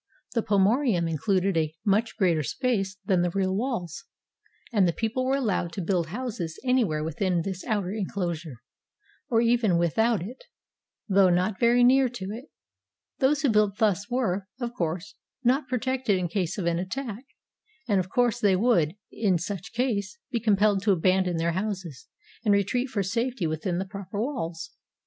The pomoerium included a much greater space than the real walls, and the people were allowed to build houses anywhere within this outer inclosure, or even with out it, though not very near to it. Those who built thus were, of course, not protected in case of an attack, and of course they would, in such case, be compelled to abandon their houses, and retreat for safety within the proper walls.